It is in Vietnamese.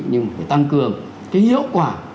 nhưng phải tăng cường cái hiệu quả